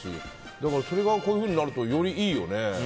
だからそれがこういうふうになるとよりいいよね。